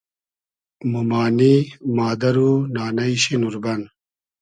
مومانی ، مادئر و نانݷ شی نوربئن